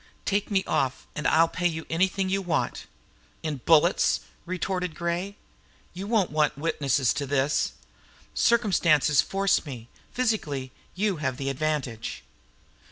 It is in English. Take me off, and I'll pay you anything you want." "In bullets," retorted Gray. "You won't want witnesses to this." "Circumstances force me. Physically, you have the advantage."